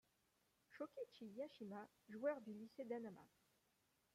Shōkichi Yashima, joueur du lycée d'Hanama.